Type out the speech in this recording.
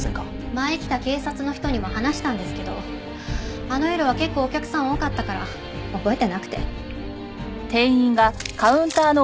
前来た警察の人にも話したんですけどあの夜は結構お客さん多かったから覚えてなくて。